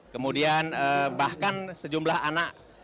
kemudian bahkan sejumlah anak